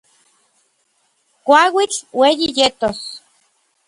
Kuauitl ueyi yetos.